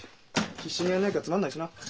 必死にやんなきゃつまんないしな。